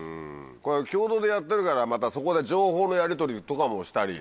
これ共同でやってるからまたそこで情報のやりとりとかもしたり。